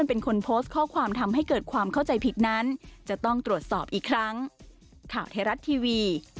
โทรหาจนที่ตำรวจก็ได้